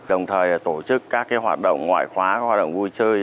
đồng thời tổ chức các hoạt động ngoại khóa hoạt động vui chơi